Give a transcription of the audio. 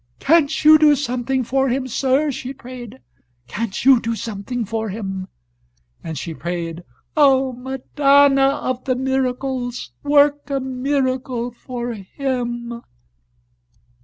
"Can't you do something for him, sir?" she prayed. "Can't you do something for him?" And she prayed: "O Madonna of the Miracles, work a miracle for him!"